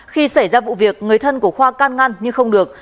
khi xảy ra vụ việc người thân của khoa can ngăn nhưng không được